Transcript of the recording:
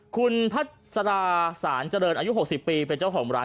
คุณพัศดาสารเจริญอายุ๖๐ปีเป็นเจ้าของร้าน